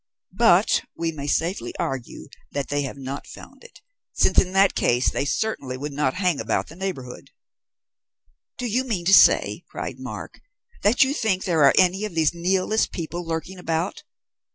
But we may safely argue that they have not found it, since in that case they certainly would not hang about the neighbourhood." "Do you mean to say," cried Mark, "that you think there are any of these Nihilist people lurking about?